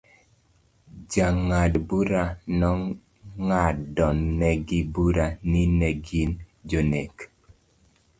Jang'ad bura nong'adnegi bura ni ne gin jonek.